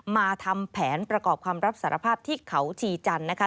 มาทำแผนประกอบคำรับสารภาพที่เขาชีจันทร์นะคะ